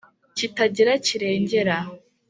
kitagira kirengera.